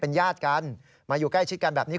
ญาติกันมาอยู่ใกล้ชิดกันแบบนี้